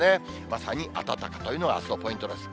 まさに、あたたかというのがあすのポイントです。